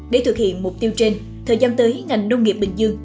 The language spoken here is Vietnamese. để thực hiện mục tiêu trên thời gian tới ngành nông nghiệp bình dương